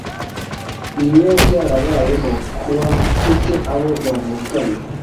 ntibiba byarabayeho ku bafite abo bavukana